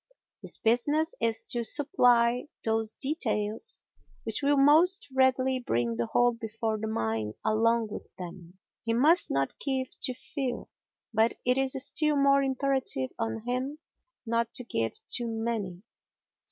His business is to supply those details which will most readily bring the whole before the mind along with them. He must not give too few, but it is still more imperative on him not to give too many.